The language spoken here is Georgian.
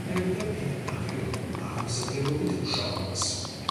ატარებდა დიდ პატრიოტულ აღმზრდელობით მუშაობას.